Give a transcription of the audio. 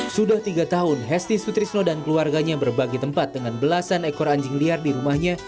sudah tiga tahun hesti sutrisno dan keluarganya berbagi tempat dengan belasan ekor anjing liar di rumahnya